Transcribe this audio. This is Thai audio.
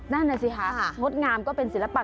นั่นน่ะสิคะงดงามก็เป็นศิลปะ